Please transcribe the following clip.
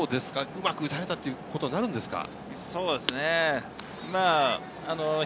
うまく打たれたということですか？